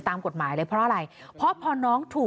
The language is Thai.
สามารถ